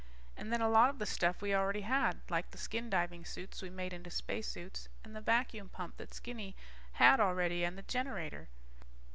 And then, a lot of the stuff we already had. Like the skin diving suits we made into spacesuits and the vacuum pump that Skinny had already and the generator.